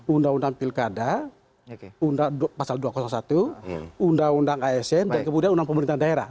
undang undang pilkada pasal dua ratus satu undang undang asn dan kemudian undang pemerintahan daerah